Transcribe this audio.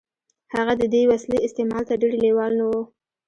هغه د دې وسیلې استعمال ته ډېر لېوال نه و